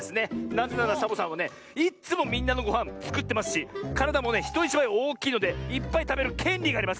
なぜならサボさんはねいっつもみんなのごはんつくってますしからだもねひといちばいおおきいのでいっぱいたべるけんりがあります！